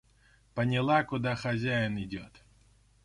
Поняла, куда хозяин идет!